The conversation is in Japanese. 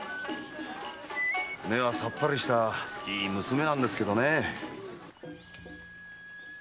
根はさっぱりしたいい娘なんですけどね。